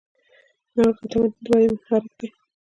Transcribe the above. نوښت د تمدن د ودې محرک دی.